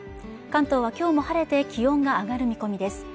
関東はきょうも晴れて気温が上がる見込みです